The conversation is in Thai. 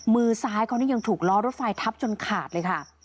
มือซ้ายเขานี่ยังถูกล้อรถไฟทับจนขาดเลยค่ะ